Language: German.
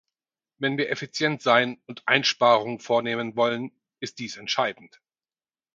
Wenn wir effizient sein und Einsparungen vornehmen wollen, ist dies entscheidend.